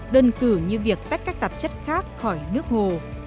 đơn cử như việc tách các tạp chất khác khỏi nước hồ